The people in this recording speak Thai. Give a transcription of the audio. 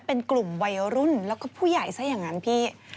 เป็นกลุ่มวัยรุ่นแล้วก็ผู้ใหญ่ซะอย่างนั้นพี่